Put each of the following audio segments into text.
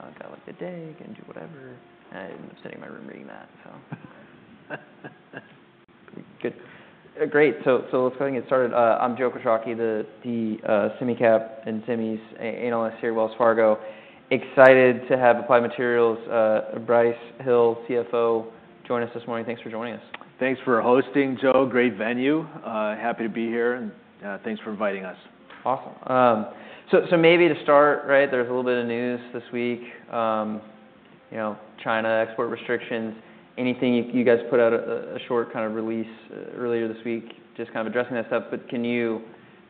Great. You know, I got like the day. I can do whatever. I ended up sitting in my room reading that, so. Good. Great. So let's go ahead and get started. I'm Joe Quatrochi, the SemiCap and semis analyst here at Wells Fargo. Excited to have Applied Materials, Brice Hill, CFO, join us this morning. Thanks for joining us. Thanks for hosting, Joe. Great venue. Happy to be here, and thanks for inviting us. Awesome. So maybe to start, right, there's a little bit of news this week. You know, China export restrictions. Anything you guys put out a short kind of release earlier this week just kind of addressing that stuff. But can you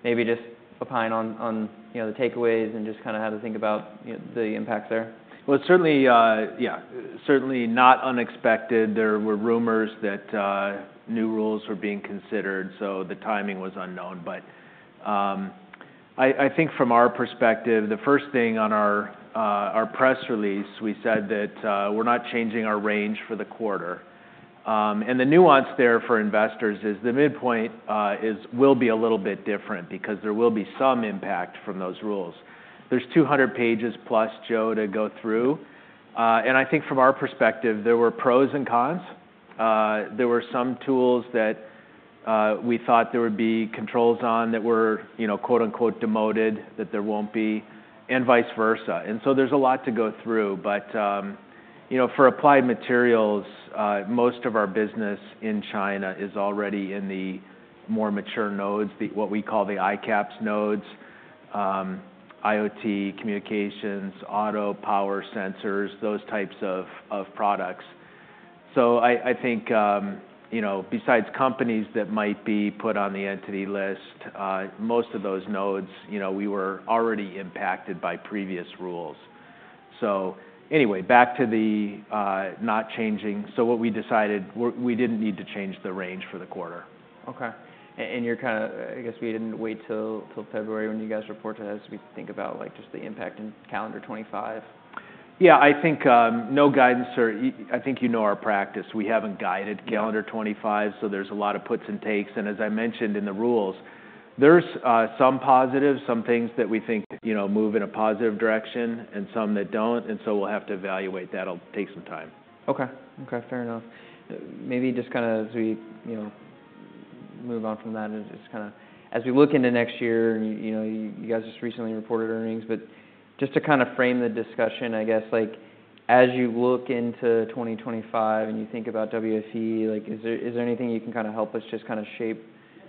maybe just opine on you know, the takeaways and just kind of how to think about, you know, the impact there? It's certainly, yeah, certainly not unexpected. There were rumors that new rules were being considered, so the timing was unknown. But I think from our perspective, the first thing on our press release, we said that we're not changing our range for the quarter. And the nuance there for investors is the midpoint is will be a little bit different because there will be some impact from those rules. There's 200 pages plus, Joe, to go through. And I think from our perspective, there were pros and cons. There were some tools that we thought there would be controls on that were, you know, quote-unquote, "demoted," that there won't be, and vice versa. And so there's a lot to go through. But you know, for Applied Materials, most of our business in China is already in the more mature nodes, the what we call the ICAPS nodes, IoT communications, auto power sensors, those types of products. So I think, you know, besides companies that might be put on the Entity List, most of those nodes, you know, we were already impacted by previous rules. So anyway, back to the not changing. So what we decided, we didn't need to change the range for the quarter. Okay. And you're kind of, I guess, we didn't wait till February when you guys report to us. We think about, like, just the impact in calendar 2025. Yeah. I think no guidance for you. I think you know our practice. We haven't guided calendar 2025, so there's a lot of puts and takes, and as I mentioned in the rules, there's some positives, some things that we think, you know, move in a positive direction and some that don't, and so we'll have to evaluate that. It'll take some time. Okay. Okay. Fair enough. Maybe just kind of as we, you know, move on from that. It's kind of as we look into next year. You know, you guys just recently reported earnings. But just to kind of frame the discussion, I guess, like, as you look into 2025 and you think about WFE, like, is there anything you can kind of help us just kind of shape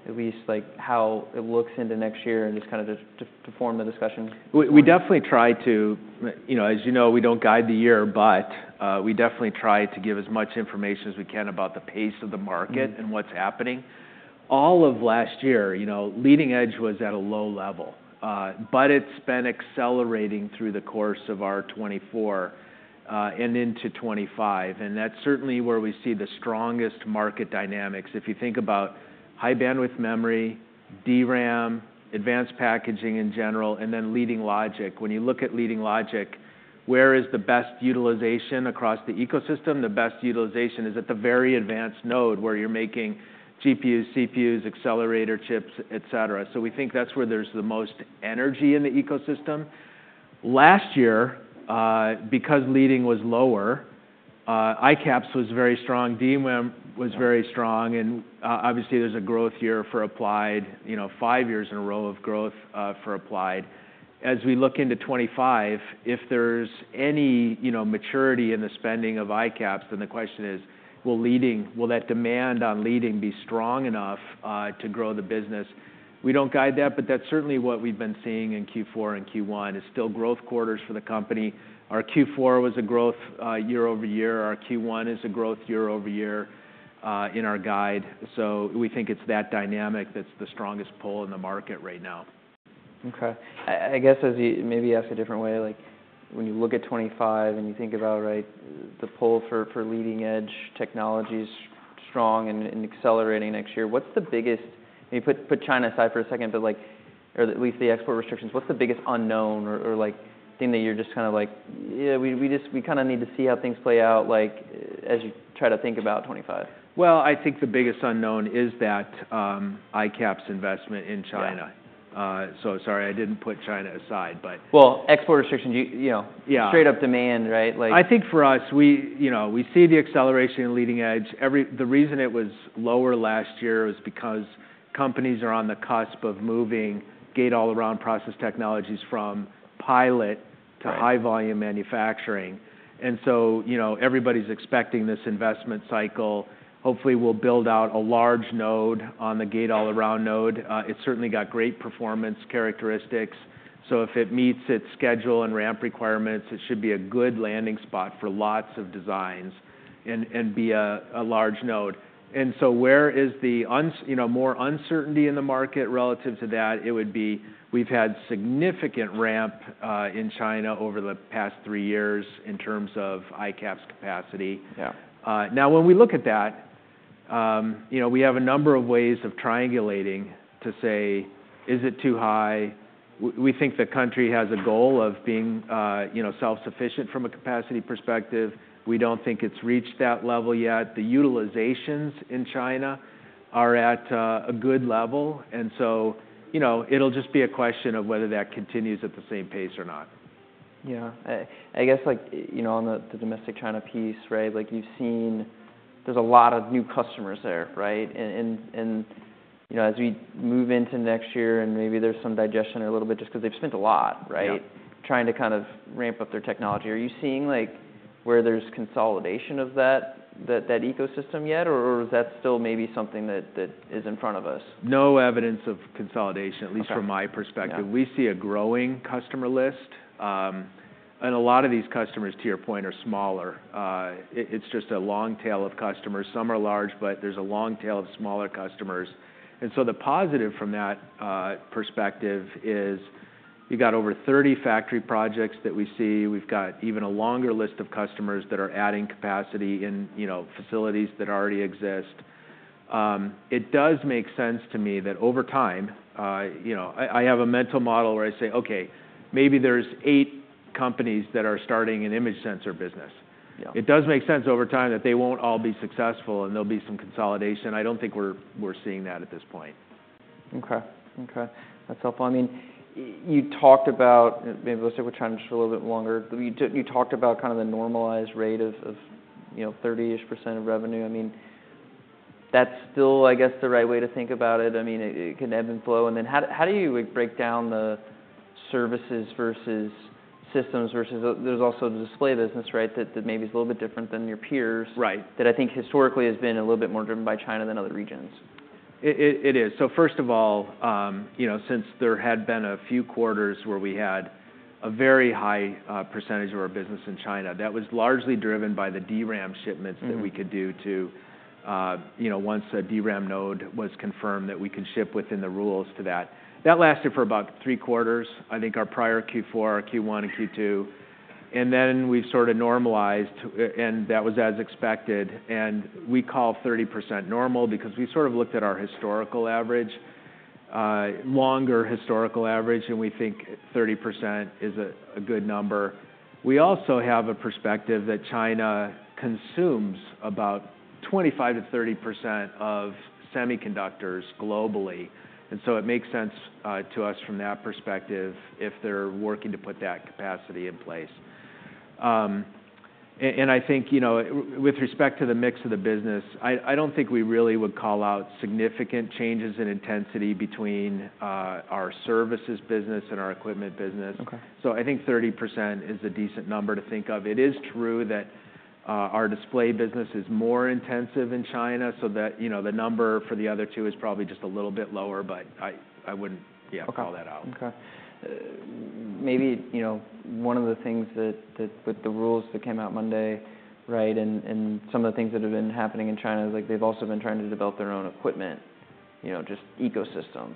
at least, like, how it looks into next year and just kind of to form the discussion? We definitely try to, you know, as you know, we don't guide the year, but we definitely try to give as much information as we can about the pace of the market and what's happening. All of last year, you know, leading edge was at a low level. But it's been accelerating through the course of our 2024, and into 2025. And that's certainly where we see the strongest market dynamics. If you think about high-bandwidth memory, DRAM, advanced packaging in general, and then leading logic. When you look at leading logic, where is the best utilization across the ecosystem? The best utilization is at the very advanced node where you're making GPUs, CPUs, accelerator chips, etc. So we think that's where there's the most energy in the ecosystem. Last year, because leading was lower, ICAPS was very strong. DRAM was very strong. Obviously, there's a growth year for Applied, you know, five years in a row of growth, for Applied. As we look into 2025, if there's any, you know, maturity in the spending of ICAPS, then the question is, will leading, that demand on leading be strong enough, to grow the business? We don't guide that, but that's certainly what we've been seeing in Q4 and Q1 is still growth quarters for the company. Our Q4 was a growth, year over year. Our Q1 is a growth year over year, in our guide. We think it's that dynamic that's the strongest pull in the market right now. Okay. I guess as you maybe ask a different way, like, when you look at '25 and you think about, right, the pull for leading edge technology's strong and accelerating next year, what's the biggest, let me put China aside for a second, but, like, or at least the export restrictions, what's the biggest unknown or, like, thing that you're just kind of like, "Yeah, we just, we kind of need to see how things play out," like, as you try to think about '25? I think the biggest unknown is that ICAPS investment in China. Right. So sorry, I didn't put China aside, but. Export restrictions, you know. Yeah. Straight-up demand, right? Like. I think for us, we, you know, we see the acceleration in leading edge. The reason it was lower last year was because companies are on the cusp of moving gate-all-around process technologies from pilot to high-volume manufacturing. And so, you know, everybody's expecting this investment cycle. Hopefully, we'll build out a large node on the gate-all-around node. It's certainly got great performance characteristics. So if it meets its schedule and ramp requirements, it should be a good landing spot for lots of designs and be a large node. And so where is the uncertainty—you know, more uncertainty in the market relative to that, it would be we've had significant ramp in China over the past three years in terms of ICAPS capacity. Yeah. Now, when we look at that, you know, we have a number of ways of triangulating to say, is it too high? We think the country has a goal of being, you know, self-sufficient from a capacity perspective. We don't think it's reached that level yet. The utilizations in China are at a good level. And so, you know, it'll just be a question of whether that continues at the same pace or not. Yeah. I guess, like, you know, on the domestic China piece, right? Like, you've seen there's a lot of new customers there, right? And you know, as we move into next year and maybe there's some digestion a little bit just 'cause they've spent a lot, right? Yeah. Trying to kind of ramp up their technology. Are you seeing, like, where there's consolidation of that ecosystem yet, or is that still maybe something that is in front of us? No evidence of consolidation, at least from my perspective. Okay. We see a growing customer list. And a lot of these customers, to your point, are smaller. It's just a long tail of customers. Some are large, but there's a long tail of smaller customers. And so the positive from that perspective is you got over 30 factory projects that we see. We've got even a longer list of customers that are adding capacity in, you know, facilities that already exist. It does make sense to me that over time, you know, I have a mental model where I say, "Okay, maybe there's eight companies that are starting an image sensor business. Yeah. It does make sense over time that they won't all be successful and there'll be some consolidation. I don't think we're seeing that at this point. Okay. That's helpful. I mean, you talked about, maybe we'll stick with China just a little bit longer. You talked about kind of the normalized rate of, you know, 30-ish% of revenue. I mean, that's still, I guess, the right way to think about it? I mean, it can ebb and flow. And then how do you, like, break down the services versus systems versus, there's also the display business, right, that maybe is a little bit different than your peers. Right. That I think historically has been a little bit more driven by China than other regions. It is. So first of all, you know, since there had been a few quarters where we had a very high percentage of our business in China, that was largely driven by the DRAM shipments that we could do to, you know, once a DRAM node was confirmed that we could ship within the rules to that. That lasted for about three quarters, I think, our prior Q4, our Q1, and Q2. And then we've sort of normalized, and that was as expected. And we call 30% normal because we sort of looked at our historical average, longer historical average, and we think 30% is a good number. We also have a perspective that China consumes about 25%-30% of semiconductors globally. And so it makes sense to us from that perspective if they're working to put that capacity in place. I think, you know, with respect to the mix of the business, I don't think we really would call out significant changes in intensity between our services business and our equipment business. Okay. So I think 30% is a decent number to think of. It is true that our display business is more intensive in China, so that, you know, the number for the other two is probably just a little bit lower, but I, I wouldn't, yeah, call that out. Okay. Okay, maybe, you know, one of the things that, that with the rules that came out Monday, right, and, and some of the things that have been happening in China is, like, they've also been trying to develop their own equipment, you know, just ecosystem.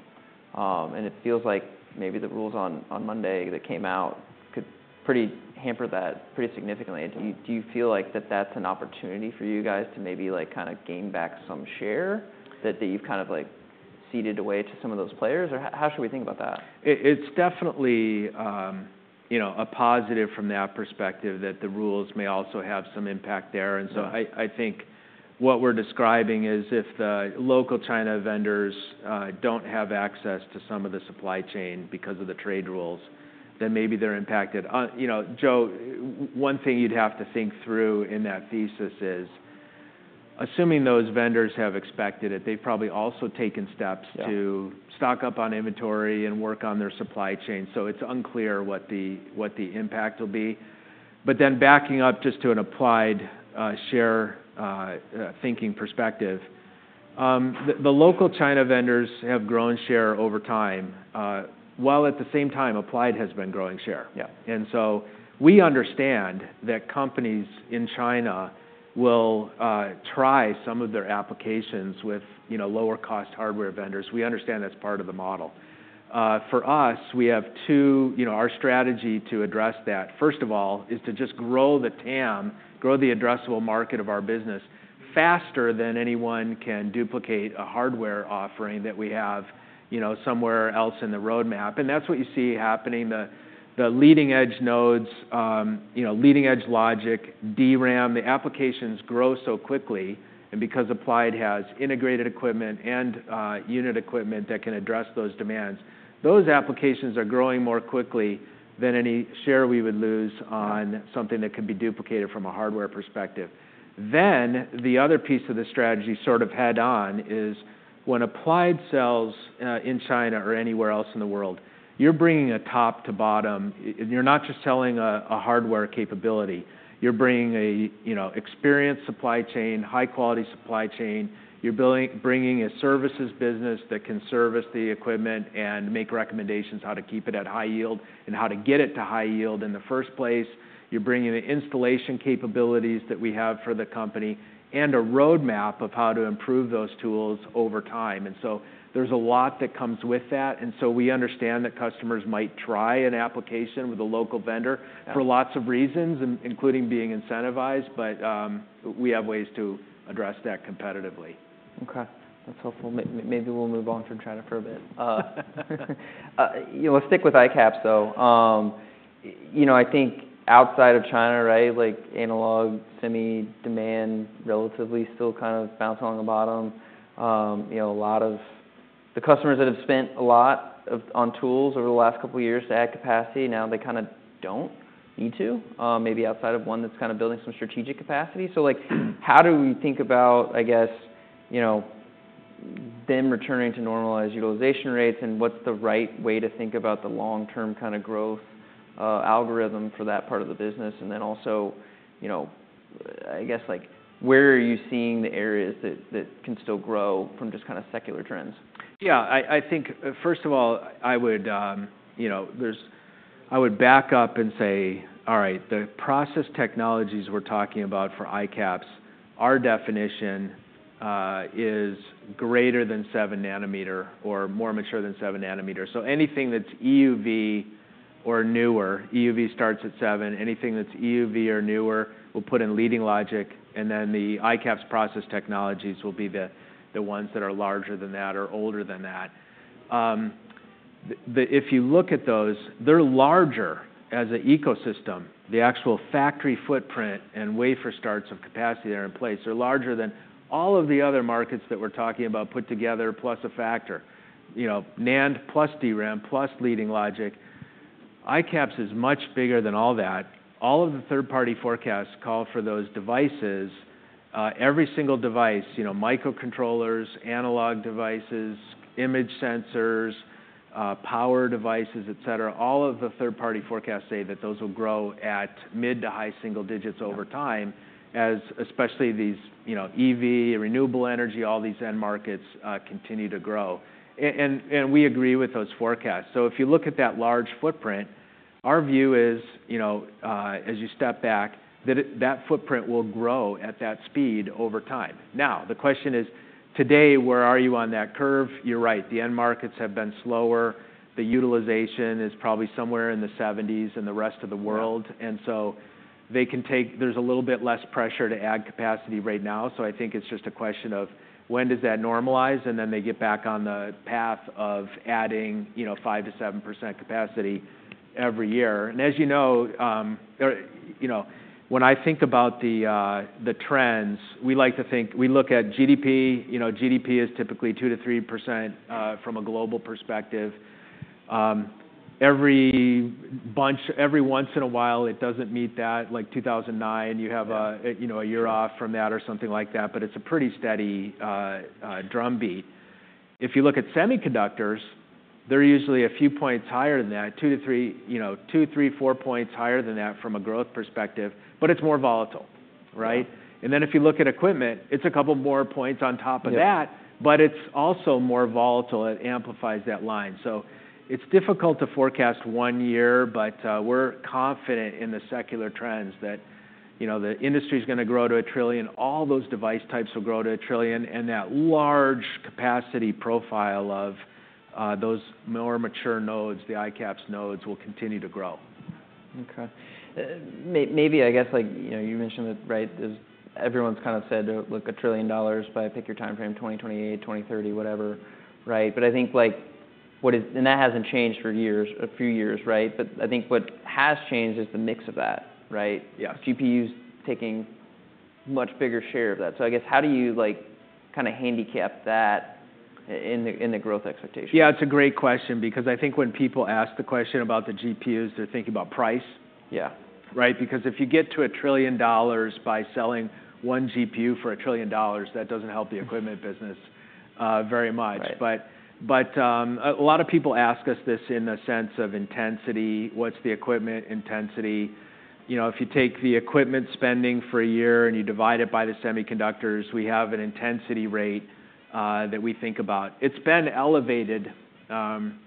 And it feels like maybe the rules on, on Monday that came out could pretty hamper that pretty significantly. Do you, do you feel like that that's an opportunity for you guys to maybe, like, kind of gain back some share that, that you've kind of, like, ceded away to some of those players? Or how, how should we think about that? It, it's definitely, you know, a positive from that perspective that the rules may also have some impact there, and so I, I think what we're describing is if the local China vendors don't have access to some of the supply chain because of the trade rules, then maybe they're impacted. You know, Joe, one thing you'd have to think through in that thesis is assuming those vendors have expected it, they've probably also taken steps to. Yeah. Stock up on inventory and work on their supply chain, so it's unclear what the impact will be, but then backing up just to an Applied share thinking perspective, the local China vendors have grown share over time, while at the same time Applied has been growing share. Yeah. And so we understand that companies in China will try some of their applications with you know lower-cost hardware vendors. We understand that's part of the model. For us, we have two, you know, our strategy to address that, first of all, is to just grow the TAM, grow the addressable market of our business faster than anyone can duplicate a hardware offering that we have, you know, somewhere else in the roadmap, and that's what you see happening. The leading edge nodes, you know, leading edge logic, DRAM, the applications grow so quickly. And because Applied has integrated equipment and unit equipment that can address those demands, those applications are growing more quickly than any share we would lose on something that could be duplicated from a hardware perspective. Then the other piece of the strategy sort of head-on is when Applied sells in China or anywhere else in the world. You're bringing a top-to-bottom and you're not just selling a hardware capability. You're bringing a, you know, experienced supply chain, high-quality supply chain. You're bringing a services business that can service the equipment and make recommendations how to keep it at high yield and how to get it to high yield in the first place. You're bringing the installation capabilities that we have for the company and a roadmap of how to improve those tools over time. And so there's a lot that comes with that. And so we understand that customers might try an application with a local vendor. Yeah. For lots of reasons, including being incentivized, but we have ways to address that competitively. Okay. That's helpful. Maybe we'll move on from China for a bit. You know, let's stick with ICAPS, though. You know, I think outside of China, right, like, analog semi demand relatively still kind of bouncing on the bottom. You know, a lot of the customers that have spent a lot on tools over the last couple of years to add capacity, now they kind of don't need to, maybe outside of one that's kind of building some strategic capacity. So, like, how do we think about, I guess, you know, them returning to normalized utilization rates, and what's the right way to think about the long-term kind of growth, algorithm for that part of the business? And then also, you know, I guess, like, where are you seeing the areas that can still grow from just kind of secular trends? Yeah. I think, first of all, I would, you know, back up and say, "All right, the process technologies we're talking about for ICAPS, our definition, is greater than 7 nanometer or more mature than 7 nanometer." So anything that's EUV or newer, EUV starts at 7. Anything that's EUV or newer will put in leading logic, and then the ICAPS process technologies will be the ones that are larger than that or older than that. If you look at those, they're larger as an ecosystem. The actual factory footprint and wafer starts of capacity that are in place, they're larger than all of the other markets that we're talking about put together plus a factor, you know, NAND plus DRAM plus leading logic. ICAPS is much bigger than all that. All of the third-party forecasts call for those devices. Every single device, you know, microcontrollers, analog devices, image sensors, power devices, etc., all of the third-party forecasts say that those will grow at mid to high single digits over time as especially these, you know, EV, renewable energy, all these end markets, continue to grow. And we agree with those forecasts. So if you look at that large footprint, our view is, you know, as you step back, that footprint will grow at that speed over time. Now, the question is, today, where are you on that curve? You're right. The end markets have been slower. The utilization is probably somewhere in the 70s in the rest of the world. Yeah. And so they can take, there's a little bit less pressure to add capacity right now. I think it's just a question of when does that normalize, and then they get back on the path of adding, you know, 5%-7% capacity every year. As you know, or, you know, when I think about the, the trends, we like to think we look at GDP. You know, GDP is typically 2%-3%, from a global perspective. Every once in a while, it doesn't meet that. Like 2009, you have a, you know, a year off from that or something like that, but it's a pretty steady drumbeat. If you look at semiconductors, they're usually a few points higher than that, 2-3, you know, 2, 3, 4 points higher than that from a growth perspective, but it's more volatile, right? Yeah. And then if you look at equipment, it's a couple more points on top of that. Yeah. But it's also more volatile. It amplifies that line. So it's difficult to forecast one year, but we're confident in the secular trends that, you know, the industry's gonna grow to a trillion. All those device types will grow to a trillion, and that large capacity profile of those more mature nodes, the ICAPS nodes, will continue to grow. Okay. Maybe, I guess, like, you know, you mentioned that, right? There's everyone's kind of said, "Look, a $1 trillion by pick your timeframe, 2028, 2030, whatever," right? But I think, like, what is and that hasn't changed for years, a few years, right? But I think what has changed is the mix of that, right? Yes. GPUs taking much bigger share of that. So I guess, how do you, like, kind of handicap that in the growth expectation? Yeah, it's a great question because I think when people ask the question about the GPUs, they're thinking about price. Yeah. Right? Because if you get to $1 trillion by selling one GPU for $1 trillion, that doesn't help the equipment business very much. Right. A lot of people ask us this in the sense of intensity. What's the equipment intensity? You know, if you take the equipment spending for a year and you divide it by the semiconductors, we have an intensity rate that we think about. It's been elevated, and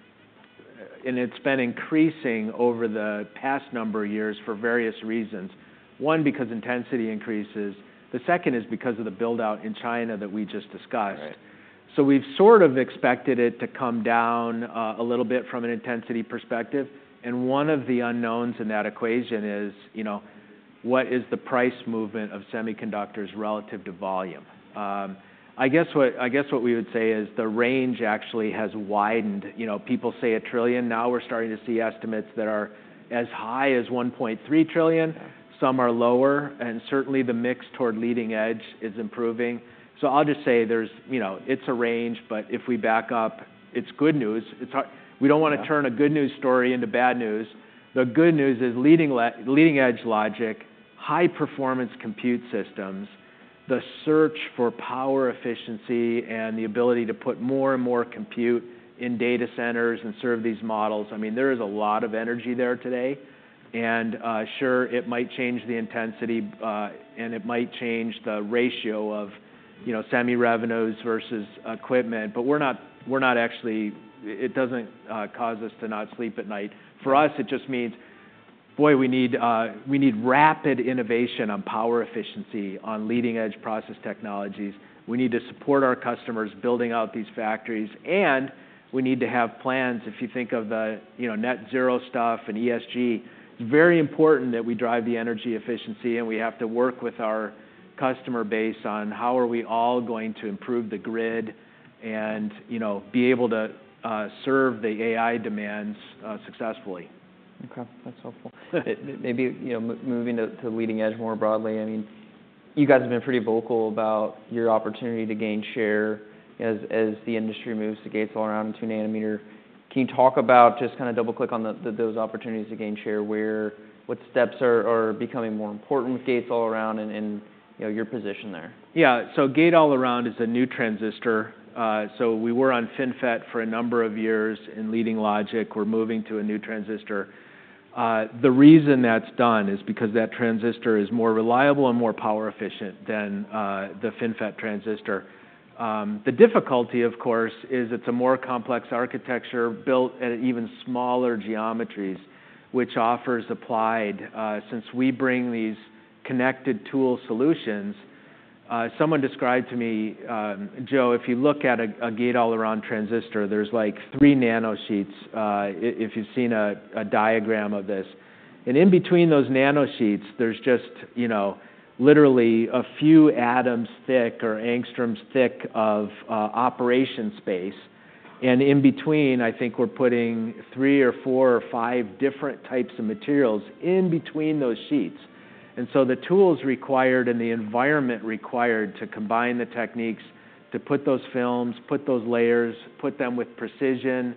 it's been increasing over the past number of years for various reasons. One, because intensity increases. The second is because of the buildout in China that we just discussed. Right. So we've sort of expected it to come down, a little bit from an intensity perspective. And one of the unknowns in that equation is, you know, what is the price movement of semiconductors relative to volume? I guess what we would say is the range actually has widened. You know, people say $1 trillion. Now we're starting to see estimates that are as high as $1.3 trillion. Yeah. Some are lower, and certainly, the mix toward leading edge is improving, so I'll just say there's, you know, it's a range, but if we back up, it's good news. It's hard. We don't want to turn a good news story into bad news. The good news is leading edge logic, high-performance compute systems, the search for power efficiency, and the ability to put more and more compute in data centers and serve these models. I mean, there is a lot of energy there today. Sure, it might change the intensity, and it might change the ratio of, you know, semi-revenues versus equipment, but we're not actually. It doesn't cause us to not sleep at night. For us, it just means, boy, we need rapid innovation on power efficiency, on leading edge process technologies. We need to support our customers building out these factories, and we need to have plans. If you think of the, you know, net zero stuff and ESG, it's very important that we drive the energy efficiency, and we have to work with our customer base on how are we all going to improve the grid and, you know, be able to serve the AI demands successfully. Okay. That's helpful. Maybe, you know, moving to leading edge more broadly, I mean, you guys have been pretty vocal about your opportunity to gain share as the industry moves the gates all around 2 nanometer. Can you talk about just kind of double-click on those opportunities to gain share? Where what steps are becoming more important with gates all around and, you know, your position there? Yeah. So Gate-All-Around is a new transistor. So we were on FinFET for a number of years in leading logic. We're moving to a new transistor. The reason that's done is because that transistor is more reliable and more power efficient than the FinFET transistor. The difficulty, of course, is it's a more complex architecture built at even smaller geometries, which offers Applied, since we bring these connected tool solutions. Someone described to me, "Joe, if you look at a Gate-All-Around transistor, there's like three nanosheets." If you've seen a diagram of this. And in between those nanosheets, there's just, you know, literally a few atoms thick or angstroms thick of operation space. And in between, I think we're putting three or four or five different types of materials in between those sheets. And so the tools required and the environment required to combine the techniques to put those films, put those layers, put them with precision,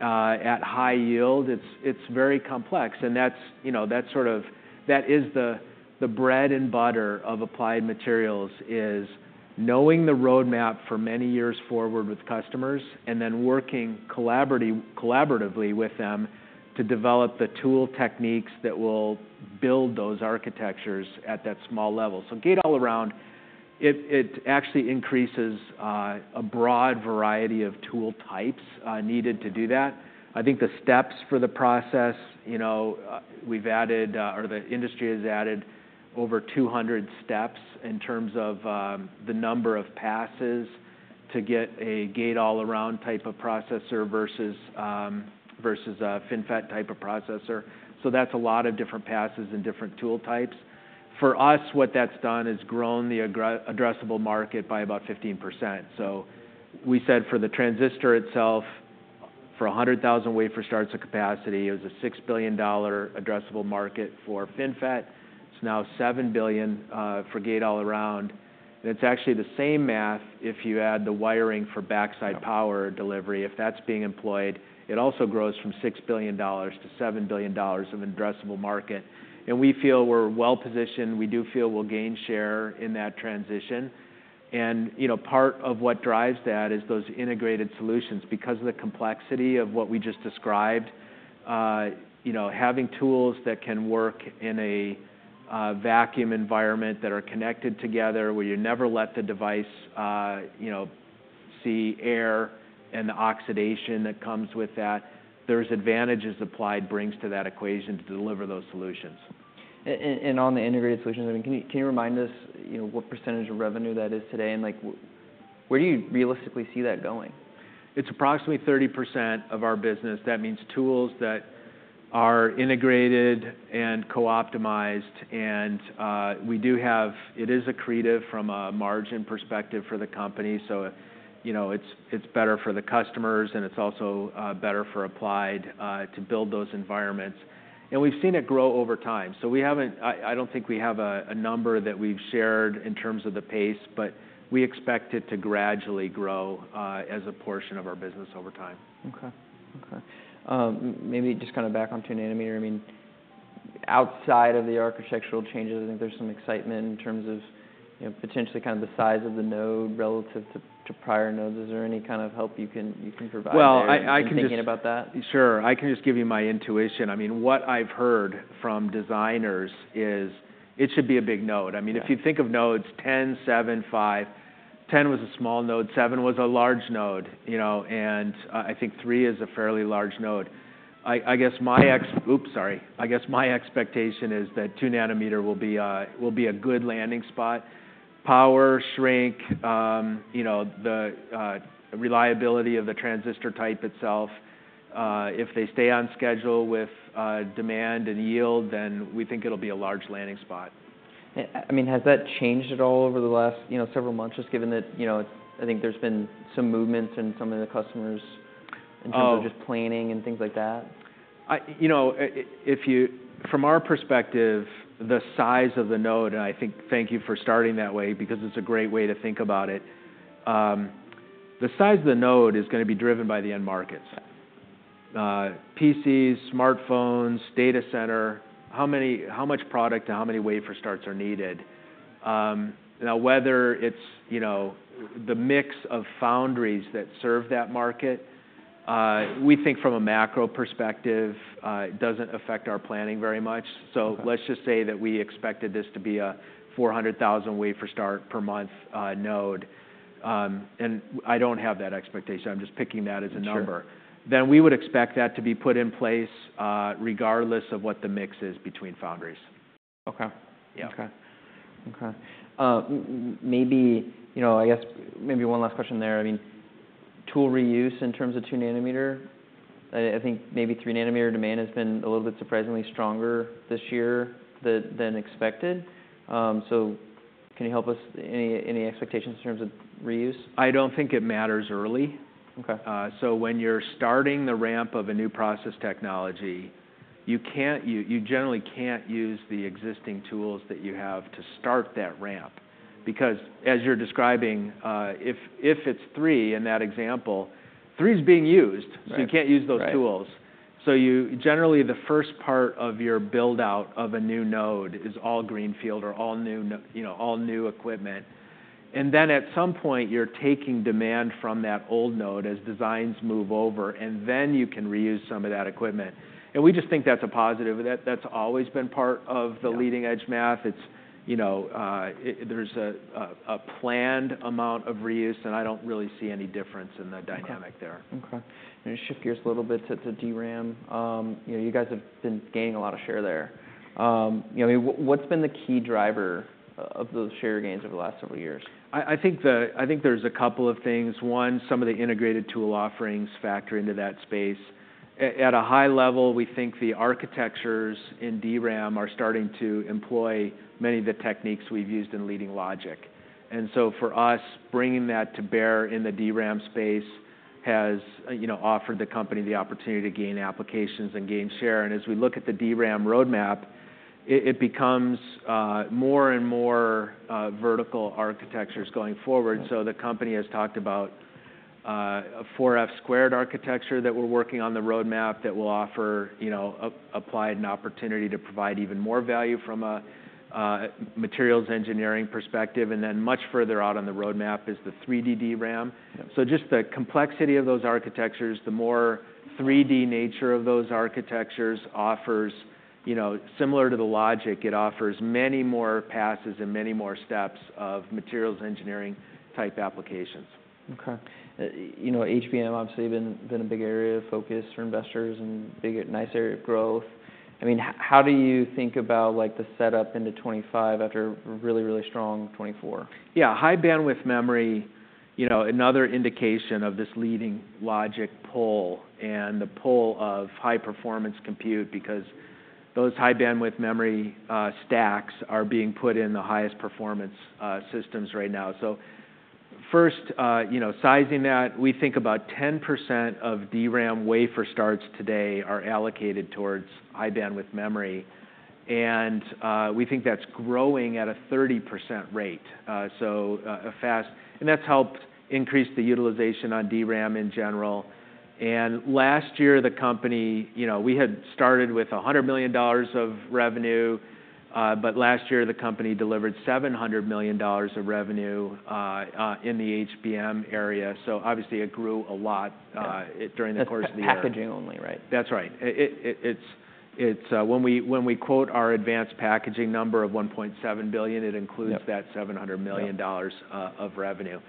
at high yield, it's very complex. And that's, you know, that's sort of that is the bread and butter of Applied Materials is knowing the roadmap for many years forward with customers and then working collaboratively with them to develop the tool techniques that will build those architectures at that small level. So gate-all-around, it actually increases a broad variety of tool types needed to do that. I think the steps for the process, you know, we've added, or the industry has added over 200 steps in terms of the number of passes to get a gate-all-around type of processor versus a FinFET type of processor. So that's a lot of different passes and different tool types. For us, what that's done is grown the addressable market by about 15%. So we said for the transistor itself, for 100,000 wafer starts of capacity, it was a $6 billion addressable market for FinFET. It's now $7 billion, for gate-all-around. And it's actually the same math if you add the wiring for backside power delivery. If that's being employed, it also grows from $6 billion-$7 billion of an addressable market. And we feel we're well-positioned. We do feel we'll gain share in that transition. And, you know, part of what drives that is those integrated solutions. Because of the complexity of what we just described, you know, having tools that can work in a vacuum environment that are connected together where you never let the device, you know, see air and the oxidation that comes with that, those advantages Applied brings to that equation to deliver those solutions. And on the integrated solutions, I mean, can you remind us, you know, what percentage of revenue that is today? And, like, where do you realistically see that going? It's approximately 30% of our business. That means tools that are integrated and co-optimized. And we do have, it is accretive from a margin perspective for the company. So, you know, it's better for the customers, and it's also better for Applied to build those environments. And we've seen it grow over time. So we haven't. I don't think we have a number that we've shared in terms of the pace, but we expect it to gradually grow as a portion of our business over time. Okay. Maybe just kind of back on 2 nanometer. I mean, outside of the architectural changes, I think there's some excitement in terms of, you know, potentially kind of the size of the node relative to prior nodes. Is there any kind of help you can provide in thinking about that? I can just. Sure. I can just give you my intuition. I mean, what I've heard from designers is it should be a big node. I mean, if you think of nodes, 10, 7, 5, 10 was a small node. 7 was a large node, you know? And I think 3 is a fairly large node. I guess my expectation is that 2 nanometer will be a good landing spot. Power shrink, you know, the reliability of the transistor type itself. If they stay on schedule with demand and yield, then we think it'll be a large landing spot. And I mean, has that changed at all over the last several months, just given that, you know, I think there's been some movements in some of the customers in terms of just planning and things like that? You know, if you from our perspective, the size of the node. I think thank you for starting that way because it's a great way to think about it. The size of the node is gonna be driven by the end markets. Yeah. PCs, smartphones, data center, how many how much product and how many wafer starts are needed? Now, whether it's, you know, the mix of foundries that serve that market, we think from a macro perspective, it doesn't affect our planning very much. Okay. So let's just say that we expected this to be a 400,000 wafer start per month, node. And I don't have that expectation. I'm just picking that as a number. Sure. Then we would expect that to be put in place, regardless of what the mix is between foundries. Okay. Yeah. Okay. Maybe, you know, I guess maybe one last question there. I mean, tool reuse in terms of 2 nanometer? I think maybe 3 nanometer demand has been a little bit surprisingly stronger this year than expected, so can you help us? Any expectations in terms of reuse? I don't think it matters early. Okay. So when you're starting the ramp of a new process technology, you can't, you generally can't use the existing tools that you have to start that ramp because, as you're describing, if it's 3 in that example, 3's being used. Right. You can't use those tools. Right. So you generally, the first part of your buildout of a new node is all greenfield or all new, you know, all new equipment. And then at some point, you're taking demand from that old node as designs move over, and then you can reuse some of that equipment. And we just think that's a positive. That's always been part of the leading edge math. It's, you know, there's a planned amount of reuse, and I don't really see any difference in the dynamic there. Okay. I'm gonna shift gears a little bit to DRAM. You know, you guys have been gaining a lot of share there. You know, I mean, what's been the key driver of those share gains over the last several years? I think there's a couple of things. One, some of the integrated tool offerings factor into that space. At a high level, we think the architectures in DRAM are starting to employ many of the techniques we've used in leading logic. And so for us, bringing that to bear in the DRAM space has, you know, offered the company the opportunity to gain applications and gain share. And as we look at the DRAM roadmap, it becomes more and more vertical architectures going forward. Right. So the company has talked about a 4F squared architecture that we're working on the roadmap that will offer, you know, Applied an opportunity to provide even more value from a materials engineering perspective. And then much further out on the roadmap is the 3D DRAM. Yep. So, just the complexity of those architectures, the more 3D nature of those architectures offers, you know, similar to the logic, it offers many more passes and many more steps of materials engineering type applications. Okay. You know, HBM obviously been a big area of focus for investors and a big nice area of growth. I mean, how do you think about, like, the setup into 2025 after a really, really strong 2024? Yeah. High bandwidth memory, you know, another indication of this leading logic pull and the pull of high-performance compute because those high bandwidth memory stacks are being put in the highest performance systems right now. So first, you know, sizing that, we think about 10% of DRAM wafer starts today are allocated towards high bandwidth memory. And we think that's growing at a 30% rate, so fast, and that's helped increase the utilization on DRAM in general. And last year, the company you know, we had started with $100 million of revenue, but last year, the company delivered $700 million of revenue in the HBM area. So obviously, it grew a lot. Okay. during the course of the year. Packaging only, right? That's right. It's when we quote our advanced packaging number of $1.7 billion, it includes. Okay. That $700 million of revenue.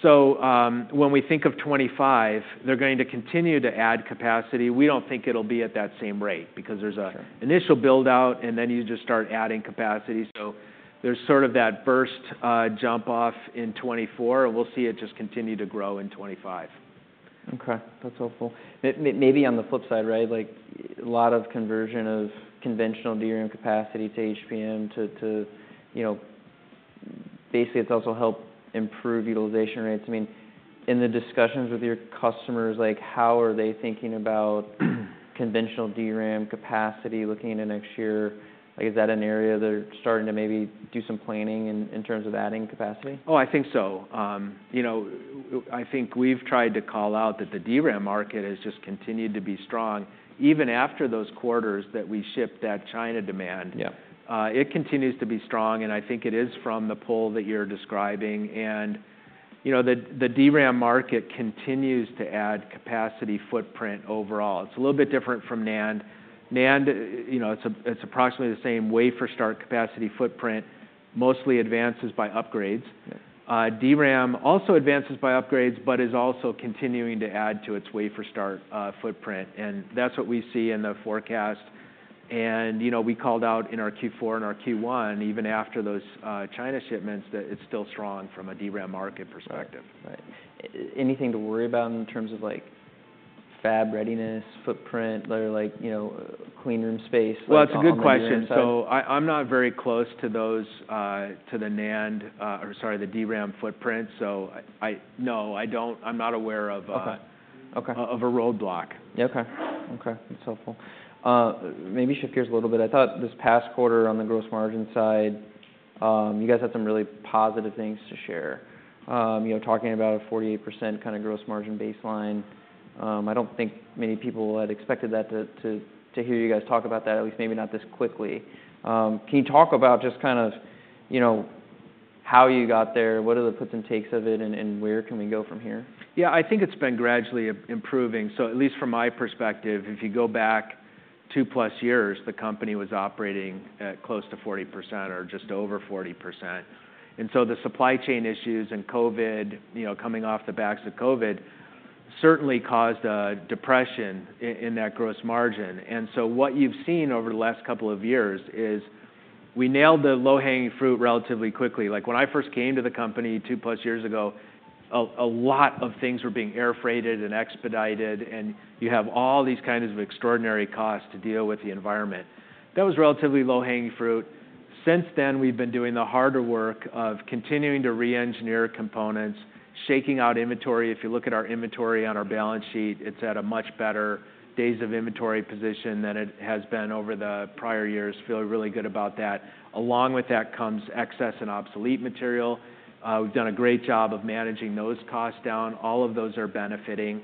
So, when we think of '25, they're going to continue to add capacity. We don't think it'll be at that same rate because there's a. Sure. Initial buildout, and then you just start adding capacity. So there's sort of that burst, jump off in 2024, and we'll see it just continue to grow in 2025. Okay. That's helpful. Maybe on the flip side, right, like, a lot of conversion of conventional DRAM capacity to HBM, you know, basically, it's also helped improve utilization rates. I mean, in the discussions with your customers, like, how are they thinking about conventional DRAM capacity looking into next year? Like, is that an area they're starting to maybe do some planning in terms of adding capacity? Oh, I think so. You know, I think we've tried to call out that the DRAM market has just continued to be strong even after those quarters that we shipped that China demand. Yep. It continues to be strong, and I think it is from the pull that you're describing. And, you know, the DRAM market continues to add capacity footprint overall. It's a little bit different from NAND. NAND, you know, it's approximately the same wafer start capacity footprint, mostly advances by upgrades. Yep. DRAM also advances by upgrades but is also continuing to add to its wafer starts footprint. And that's what we see in the forecast. And, you know, we called out in our Q4 and our Q1, even after those China shipments, that it's still strong from a DRAM market perspective. Right. Right. Anything to worry about in terms of, like, fab readiness, footprint, other, like, you know, clean room space, like that? That's a good question. Okay. So I'm not very close to those, to the NAND, or sorry, the DRAM footprint. So I don't. I'm not aware of, Okay. Okay. of a roadblock. Okay. Okay. That's helpful. Maybe shift gears a little bit. I thought this past quarter on the gross margin side, you guys had some really positive things to share. You know, talking about a 48% kind of gross margin baseline, I don't think many people had expected that to hear you guys talk about that, at least maybe not this quickly. Can you talk about just kind of, you know, how you got there? What are the puts and takes of it, and where can we go from here? Yeah. I think it's been gradually improving. So at least from my perspective, if you go back two-plus years, the company was operating close to 40% or just over 40%. And so the supply chain issues and COVID, you know, coming off the backs of COVID, certainly caused a depression in that gross margin. And so what you've seen over the last couple of years is we nailed the low-hanging fruit relatively quickly. Like, when I first came to the company two-plus years ago, a lot of things were being air freighted and expedited, and you have all these kinds of extraordinary costs to deal with the environment. That was relatively low-hanging fruit. Since then, we've been doing the harder work of continuing to re-engineer components, shaking out inventory. If you look at our inventory on our balance sheet, it's at a much better days-of-inventory position than it has been over the prior years. Feeling really good about that. Along with that comes excess and obsolete material. We've done a great job of managing those costs down. All of those are benefiting.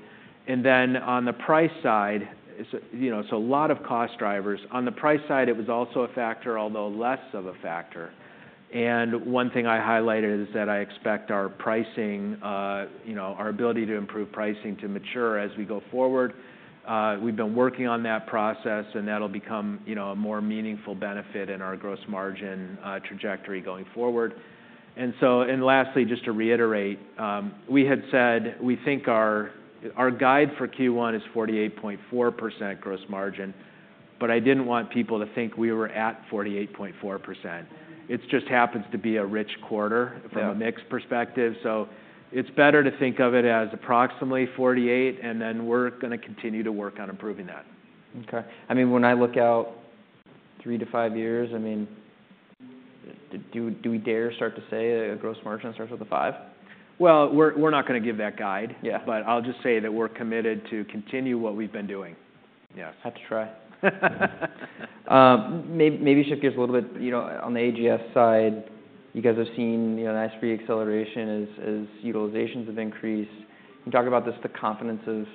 And then on the price side, as you know, so a lot of cost drivers. On the price side, it was also a factor, although less of a factor. And one thing I highlighted is that I expect our pricing, you know, our ability to improve pricing to mature as we go forward. We've been working on that process, and that'll become, you know, a more meaningful benefit in our gross margin trajectory going forward. And so, lastly, just to reiterate, we had said we think our guide for Q1 is 48.4% gross margin, but I didn't want people to think we were at 48.4%. It just happens to be a rich quarter from a mix perspective. Yep. So it's better to think of it as approximately 48, and then we're gonna continue to work on improving that. Okay. I mean, when I look out three to five years, I mean, do we dare start to say a gross margin starts with a 5? We're not gonna give that guide. Yeah. But I'll just say that we're committed to continue what we've been doing. Yes. Have to try. Maybe shift gears a little bit. You know, on the AGS side, you guys have seen, you know, nice re-acceleration as utilizations have increased. Can you talk about this, the confidence of,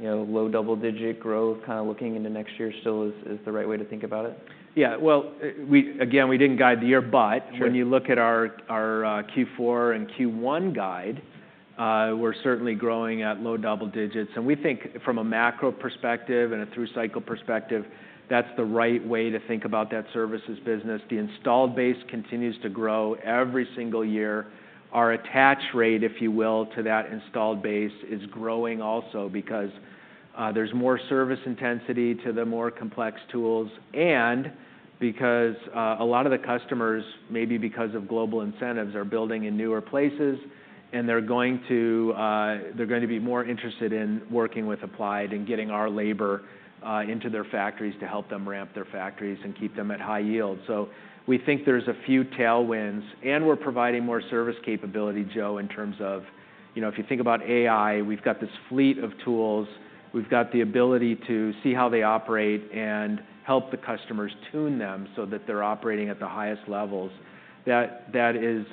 you know, low double-digit growth kinda looking into next year still is the right way to think about it? Yeah, well, we again didn't guide the year, but. Sure. When you look at our Q4 and Q1 guide, we're certainly growing at low double digits, and we think from a macro perspective and a through-cycle perspective, that's the right way to think about that services business. The installed base continues to grow every single year. Our attach rate, if you will, to that installed base is growing also because there's more service intensity to the more complex tools and because a lot of the customers, maybe because of global incentives, are building in newer places, and they're going to be more interested in working with Applied and getting our labor into their factories to help them ramp their factories and keep them at high yield, so we think there's a few tailwinds, and we're providing more service capability, Joe, in terms of, you know, if you think about AI, we've got this fleet of tools. We've got the ability to see how they operate and help the customers tune them so that they're operating at the highest levels. That is,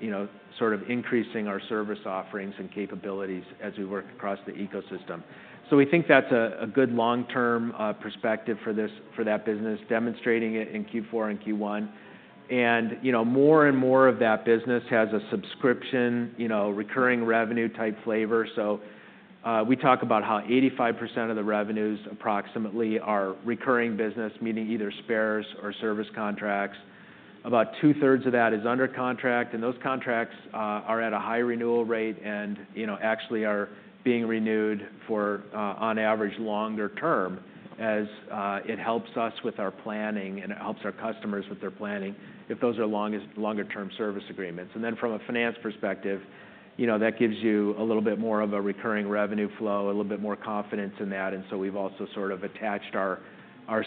you know, sort of increasing our service offerings and capabilities as we work across the ecosystem. So we think that's a good long-term perspective for that business, demonstrating it in Q4 and Q1. And you know, more and more of that business has a subscription, you know, recurring revenue type flavor. So we talk about how 85% of the revenues approximately are recurring business, meaning either spares or service contracts. About two-thirds of that is under contract, and those contracts are at a high renewal rate and, you know, actually are being renewed for, on average, longer term as it helps us with our planning and it helps our customers with their planning if those are long-term service agreements. Then from a finance perspective, you know, that gives you a little bit more of a recurring revenue flow, a little bit more confidence in that. So we've also sort of attached our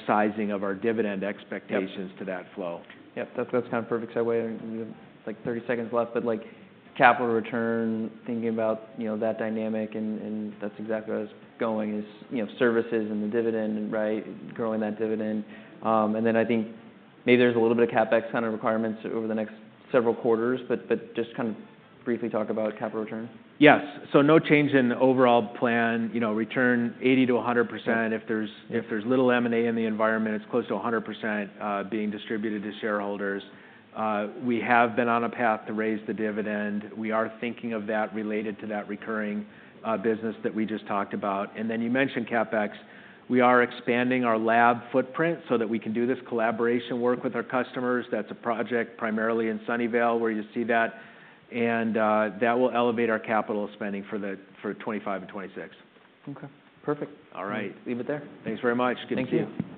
sizing of our dividend expectations. Yep. To that flow. Yep. That's kinda perfect segue. I mean, we have like 30 seconds left, but, like, capital return, thinking about, you know, that dynamic, and that's exactly where I was going is, you know, services and the dividend, right, growing that dividend. And then I think maybe there's a little bit of CapEx kinda requirements over the next several quarters, but just kinda briefly talk about capital return. Yes. So no change in overall plan, you know, return 80%-100%. Yep. If there's little M&A in the environment, it's close to 100% being distributed to shareholders. We have been on a path to raise the dividend. We are thinking of that related to that recurring business that we just talked about, and then you mentioned CapEx. We are expanding our lab footprint so that we can do this collaboration work with our customers. That's a project primarily in Sunnyvale where you see that, and that will elevate our capital spending for the 2025 and 2026. Okay. Perfect. All right. Leave it there. Thanks very much. Good to see you. Thank you.